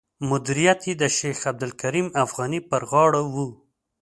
مدیریت یې د شیخ عبدالکریم افغاني پر غاړه و.